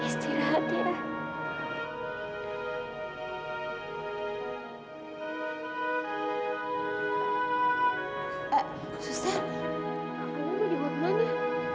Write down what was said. susten apa yang mau dibuat mana